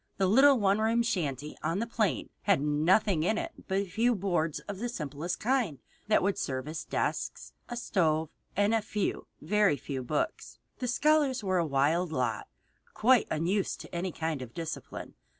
The little one room shanty on the plain had nothing in it but a few boards of the simplest kind that would serve as desks, a stove, and a few, very few, books. The scholars were a wild lot, quite unused to any kind of discipline.